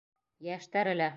Йәштәре лә...